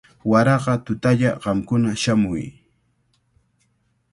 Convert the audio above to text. Waraqa tutalla qamkuna shamuy.